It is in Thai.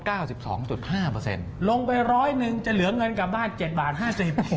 ลงไป๑๐๐นึงจะเหลือเงินกลับบ้าน๗บาท๕๐บาท